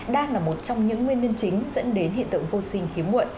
đang là một trong những nguyên nhân chính dẫn đến hiện tượng vô sinh hiếm muộn